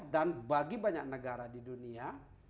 dan bagi banyak negara di dunia